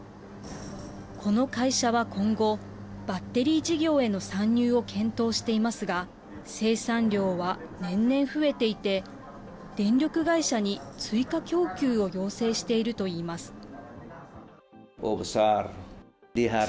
この会社は今後、バッテリー事業への参入を検討していますが、生産量は年々増えていて、電力会社に追加供給を要請しているといいます。